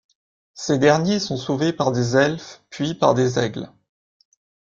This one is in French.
Ces derniers sont sauvés par des Elfes puis par des Aigles.